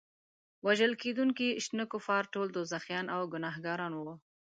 وژل کېدونکي شنه کفار ټول دوزخیان او ګناهګاران وو.